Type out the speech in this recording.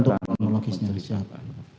untuk kronologisnya keberatan